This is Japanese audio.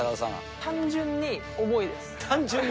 単純に重いです。